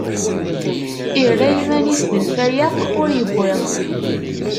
Irra iman-is d lfayeq, ur iwwiḍ.